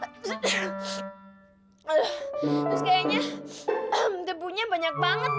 terus kayaknya debunya banyak banget